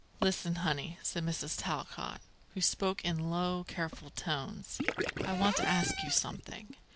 "Listen, honey," said Mrs. Talcott, who spoke in low, careful tones: "I want to ask you something.